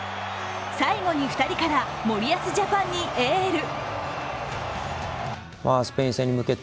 最後に２人から森保ジャパンにエール。